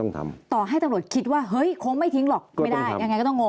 ต่อให้ตำรวจคิดว่าเฮ้ยคงไม่ทิ้งหรอกไม่ได้ยังไงก็ต้องงง